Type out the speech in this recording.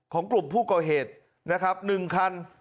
ของกลุ่มผู้ก่อเหตุนะครับ๑คัน